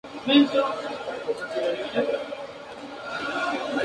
Fue profesor de las universidades Autónoma Latinoamericana, Los Andes y del Rosario.